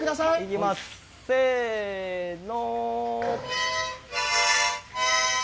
いきます、せーの。